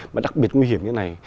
mà đặc biệt nguy hiểm như thế này